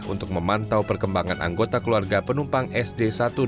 untuk memantau perkembangan anggota keluarga penumpang sj satu ratus dua puluh